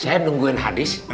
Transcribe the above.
saya nungguin hadis